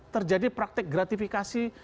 terjadi praktek gratifikasi